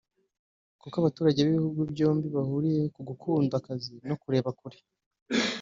kuko abaturage b’ibihugu byombi bahuriye ku gukunda akazi no kureba kure